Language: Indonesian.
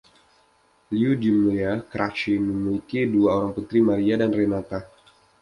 Lyudmila Karachkina memiliki dua orang putri, Maria dan Renata.